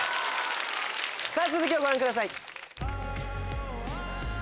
さぁ続きをご覧ください。